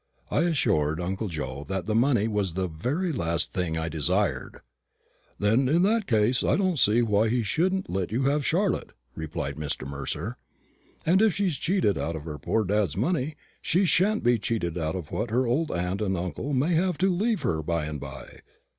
I assured uncle Joe that money was the very last thing which I desired. "Then in that case I don't see why he shouldn't let you have Charlotte," replied Mr. Mercer; "and if she's cheated out of her poor dad's money, she shan't be cheated out of what her old aunt and uncle may have to leave her by and by."